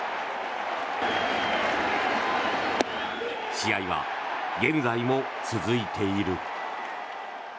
試合は現在も続いている。